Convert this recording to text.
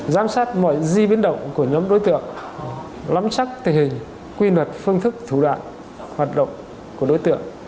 giám sát mọi di biến động của nhóm đối tượng lắm chắc thể hình quy luật phương thức thủ đoạn hoạt động của đối tượng